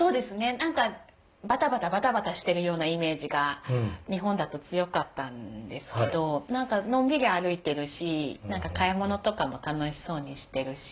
なんかバタバタバタバタしてるようなイメージが日本だと強かったんですけどなんかのんびり歩いてるし買い物とかも楽しそうにしてるし。